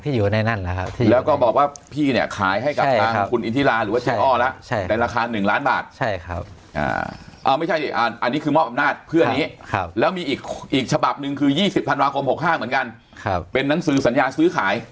มียี่สิบธันวาคมหกห้าเหมือนกันครับเป็นหนังสือสัญญาซื้อขาย